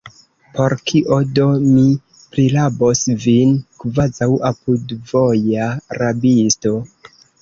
Por kio do mi prirabos vin, kvazaŭ apudvoja rabisto?